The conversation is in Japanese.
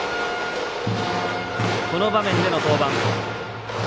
この場面での登板。